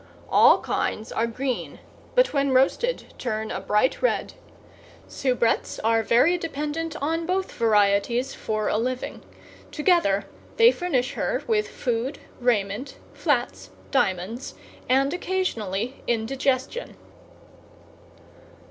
All kinds are green, but when roasted turn a bright red. Soubrettes are very dependent on both varieties for a living; together they furnish her with food, raiment, flats, diamonds, and occasionally indigestion.